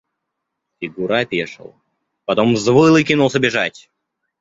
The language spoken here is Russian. Фигура опешил, потом взвыл и кинулся бежать.